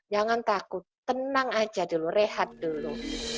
jangan takut tenang aja dulu rehat dulu